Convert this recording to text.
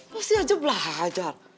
masih aja belajar